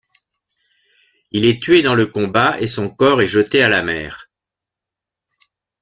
Il est tué dans le combat et son corps est jeté à la mer.